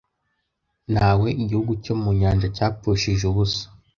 Na we Igihugu cyo mu nyanja cyapfushije ubusa